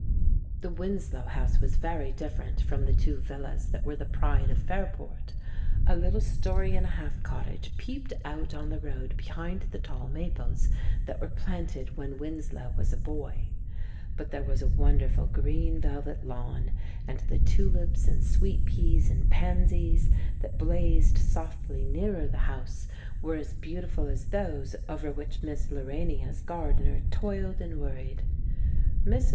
The Winslow house was very different from the two villas that were the pride of Fairport. A little story and a half cottage peeped out on the road behind the tall maples that were planted when Winslow was a boy. But there was a wonderful green velvet lawn, and the tulips and sweet peas and pansies that blazed softly nearer the house were as beautiful as those over which Miss Lorania's gardener toiled and worried. Mrs.